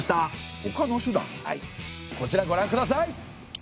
はいこちらご覧ください！